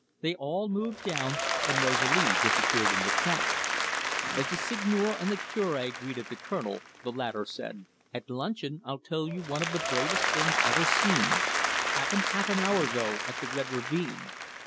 They all moved down, and Rosalie disappeared in the crowd. As the Seigneur and the Cure greeted the Colonel, the latter said: "At luncheon I'll tell you one of the bravest things ever seen. Happened half hour ago at the Red Ravine.